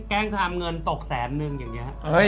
แกล้งทำเงินตกแสนนึงอย่างนี้